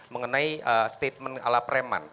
mengenai statement ala preman